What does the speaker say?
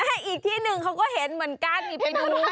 อีกที่หนึ่งเขาก็เห็นเหมือนกันนี่ไปดู